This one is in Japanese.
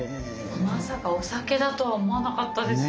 まさかお酒だとは思わなかったです。